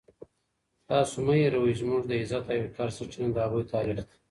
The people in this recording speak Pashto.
تاسو مه هېروئ چې زموږ د عزت او وقار سرچینه د هغوی تاریخ دی.